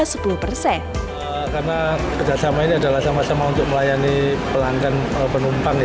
karena kerjasama ini adalah sama sama untuk melayani pelanggan penumpang